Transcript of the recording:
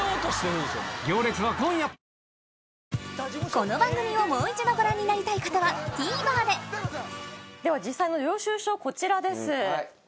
この番組をもう一度ご覧になりたい方はＴＶｅｒででは実際の領収書こちらです。